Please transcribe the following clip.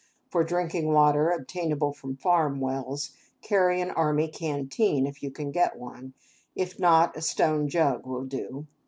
For drinking water, obtainable from farm wells, carry an army canteen, if you can get one; if not, a stone jug will do.